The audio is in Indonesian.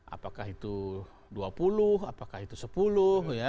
apakah itu dua puluh apakah itu sepuluh ya